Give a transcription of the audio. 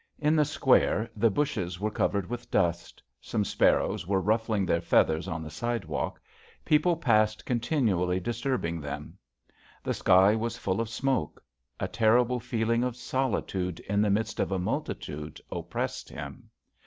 In the Square the bushes were covered with dust ; some sparrows were ruffling their feathers on the side walk; people passed, con tinually disturbing them. The sky was full of smoke. A terrible feeling of solitude in the midst of a multitude oppressed him.